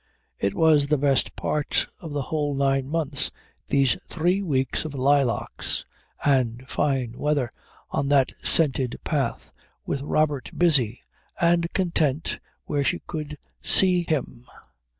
It was the best part of the whole nine months, these three weeks of lilacs and fine weather on that scented path, with Robert busy and content where she could see him.